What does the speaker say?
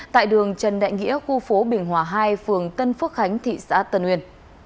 tại đường trần đại nghĩa khu phố bình hòa hai phường tân phước khánh thị xã tân uyên